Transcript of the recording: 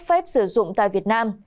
nó không có phép sử dụng tại việt nam